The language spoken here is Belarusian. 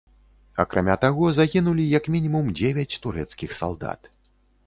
Акрамя таго, загінулі як мінімум дзевяць турэцкіх салдат.